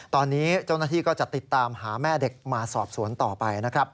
ตอนนี้เจ้าหน้าที่ก็จะติดตามหาแม่เด็กมาสอบสวนต่อไปนะครับ